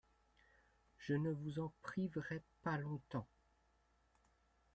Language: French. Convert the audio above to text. Je ne vous en priverai pas longtemps.